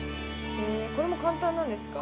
これも簡単なんですか。